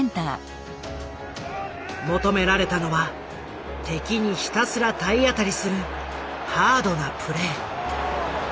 求められたのは敵にひたすら体当たりするハードなプレー。